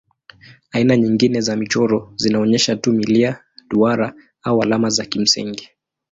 Aina nyingine za michoro zinaonyesha tu milia, duara au alama za kimsingi.